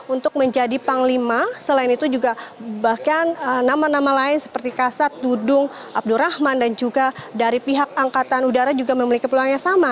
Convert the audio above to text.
untuk menjadi panglima selain itu juga bahkan nama nama lain seperti kasat dudung abdurrahman dan juga dari pihak angkatan udara juga memiliki peluang yang sama